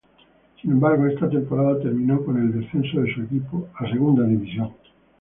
Sin embargo, esa temporada terminó con el descenso de su equipo a Segunda División.